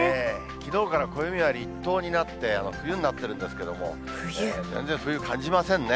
きのうから暦は立冬になって、冬になってるんですけれども、全然冬感じませんね。